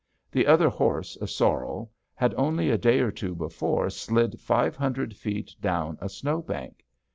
The other horse, a sorrel, had only a day or two before slid five hundred feet down a snow bank.